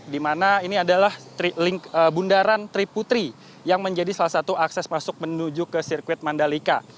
di mana ini adalah bundaran triputri yang menjadi salah satu akses masuk menuju ke sirkuit mandalika